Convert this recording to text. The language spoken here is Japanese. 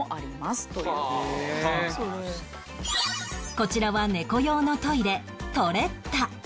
こちらは猫用のトイレトレッタ